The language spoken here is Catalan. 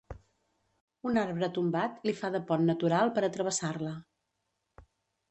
Un arbre tombat li fa de pont natural per a travessar-la.